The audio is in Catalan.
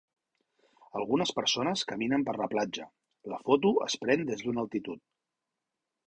Algunes persones caminen per la platja, la foto es pren des d'una altitud